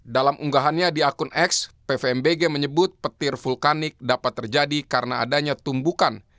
dalam unggahannya di akun x pvmbg menyebut petir vulkanik dapat terjadi karena adanya tumbukan